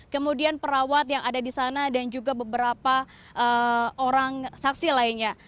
kemudian perawat yang ada di sana dan juga beberapa orang saksi lainnya